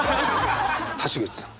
橋口さん。